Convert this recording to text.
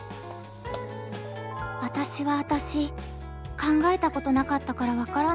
考えたことなかったからわからない。